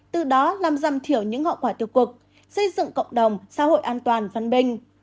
từ đó làm rằm thiểu những hậu quả tiêu cực xây dựng cộng đồng xã hội an toàn văn minh